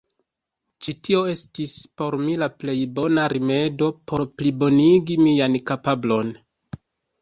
Ĉi tio estis por mi la plej bona rimedo por plibonigi mian kapablon.